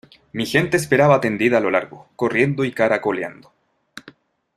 mi gente esperaba tendida a lo largo, corriendo y caracoleando.